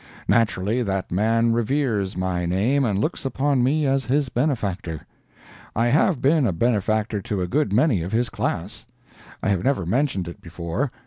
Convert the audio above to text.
Naturally, that man reveres my name and looks upon me as his benefactor. I have been a benefactor to a good many of his class. I have never mentioned it before.